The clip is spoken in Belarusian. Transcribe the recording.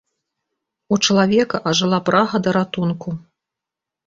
У чалавека ажыла прага да ратунку.